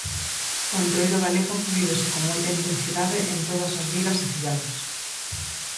O Entroido galego, vívese con moita intensidade en todas as vilas e cidades.